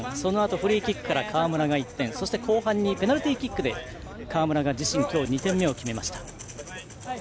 フリーキックから川村が１点そして後半にペナルティーキックで川村が自身２点目を決めました。